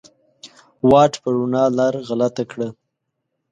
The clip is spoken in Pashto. واټ په روڼا لار غلطه کړه